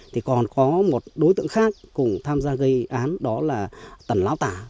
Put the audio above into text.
thì còn có một đối tượng khác cùng tham gia gây án đó là tần láo tả